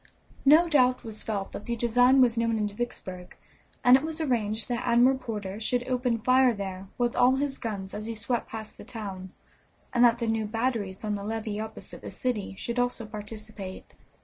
No doubt was felt that the design was known in Vicksburg, and it was arranged that Admiral Porter should open fire there with all his guns as he swept past the town, and that the new batteries on the levee opposite the city should also participate.